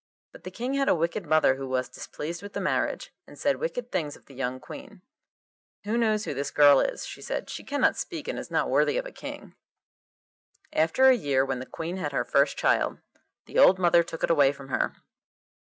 But the King had a wicked mother who was displeased with the marriage, and said wicked things of the young Queen. 'Who knows who this girl is?' she said; 'she cannot speak, and is not worthy of a king.' After a year, when the Queen had her first child, the old mother took it away from her.